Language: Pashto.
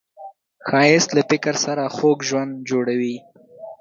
ښایست له فکر سره خوږ ژوند جوړوي